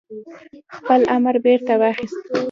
خپل امر بيرته واخيست